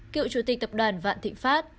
cựu chủ tịch tập đoàn vạn thịnh pháp